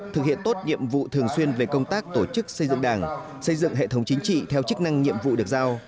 thực hiện tốt nhiệm vụ thường xuyên về công tác tổ chức xây dựng đảng xây dựng hệ thống chính trị theo chức năng nhiệm vụ được giao